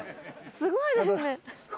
すごいですね。